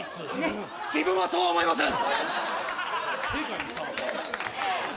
自分はそう思いません！